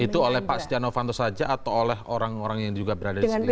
itu oleh pak setia novanto saja atau oleh orang orang yang juga berada di sekitar